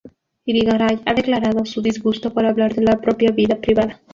Irigaray ha declarado su disgusto por hablar de la propia vida privada.